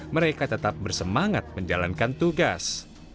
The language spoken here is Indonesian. mereka tetap bersemangat menjalankan tugas